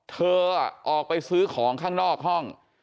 เธอออกไปซื้อของข้างนอกห้อง